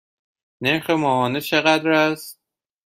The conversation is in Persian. نرخ ماهانه چقدر است؟